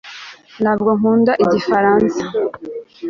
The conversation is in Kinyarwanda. ntabwo nkunda igifaransa